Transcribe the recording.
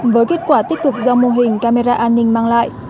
với kết quả tích cực do mô hình camera an ninh mang lại